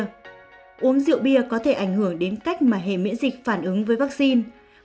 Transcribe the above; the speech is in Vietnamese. uống rượu bia có thể ảnh hưởng đến cách mà hệ miễn dịch phản ứng với vaccine